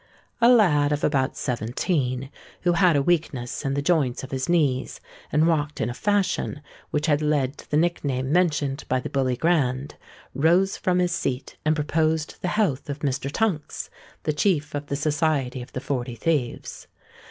A lad of about seventeen, who had a weakness in the joints of his knees, and walked in a fashion which had led to the nickname mentioned by the Bully Grand, rose from his seat, and proposed the health of Mr. Tunks, the chief of the society of the Forty Thieves.